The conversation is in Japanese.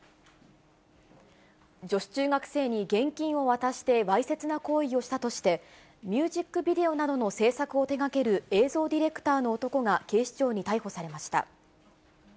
女子中学生に現金を渡してわいせつな行為をしたとして、ミュージックビデオなどの制作を手がける映像ディレクターの男が、警視庁に逮捕されました。